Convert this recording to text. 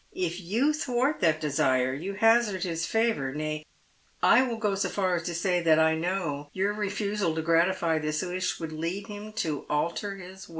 If you thwart that desire you hazard his favour, nay, I will go so far as to say that I know your refusal to gratify this wish would lead him to alter his wiU."